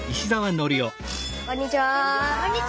こんにちは。